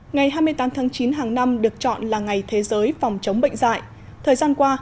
ngày hai mươi tám tháng chín hàng năm được chọn là ngày thế giới phòng chống bệnh dạy thời gian qua